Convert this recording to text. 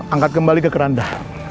angkat kembali ke keranda